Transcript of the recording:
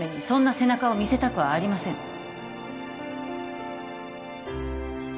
そんな背中を見せたくはありません